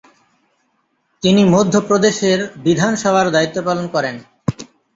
তিনি মধ্যপ্রদেশের বিধানসভার দায়িত্ব পালন করেন।